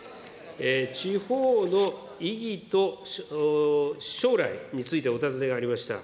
地方の意義と将来についてお尋ねがありました。